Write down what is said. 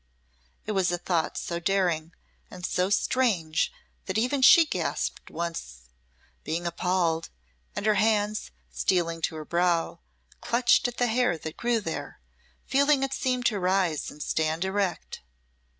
It was a thought so daring and so strange that even she gasped once, being appalled, and her hands, stealing to her brow, clutched at the hair that grew there, feeling it seem to rise and stand erect.